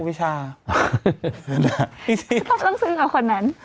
กุบิชาต้องซื้อเอาคนนั้น